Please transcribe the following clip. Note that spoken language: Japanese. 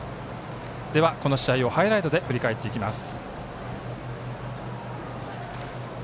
この試合をハイライトで振り返っていきます。